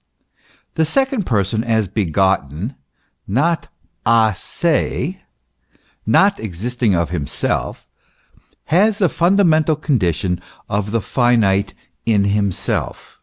The second Person as begotten, as not a se, not existing of himself, has the funda mental condition of the finite in himself."